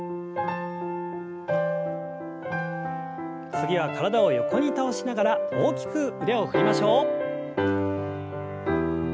次は体を横に倒しながら大きく腕を振りましょう。